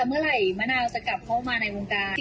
เมื่อไหร่มะนาวจะกลับเข้ามาในวงการ